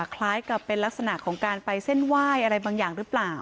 คล้ายกับเป็นลักษณะของการไปเส้นไหว้อะไรบางอย่างหรือเปล่า